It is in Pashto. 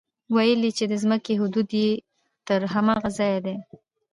ويل يې چې د ځمکې حدود يې تر هماغه ځايه دي.